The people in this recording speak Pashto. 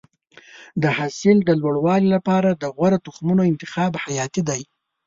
د حاصل د لوړوالي لپاره د غوره تخمونو انتخاب حیاتي دی.